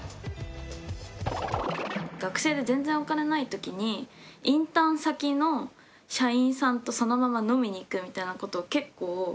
学生で全然お金ない時にインターン先の社員さんとそのまま飲みに行くみたいなことを結構やってて。